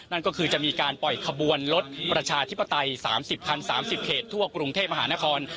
นั่นก็คือจะมีการปล่อยขบวนรถประชาธิปัตย์สามสิบครั้งสามสิบเขตทั่วปรุงเทพมหานคร